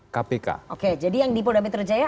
kpk oke jadi yang di polda metro jaya